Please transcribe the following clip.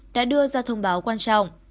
đã đưa ra thông báo quan trọng